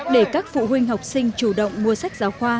để các phụ huynh học sinh chủ động mua sách giáo khoa